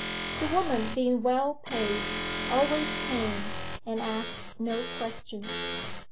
The woman, being well paid, always came, and asked no questions.